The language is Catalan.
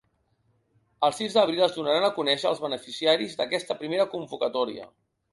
El sis d’abril es donaran a conèixer els beneficiaris d’aquesta primera convocatòria.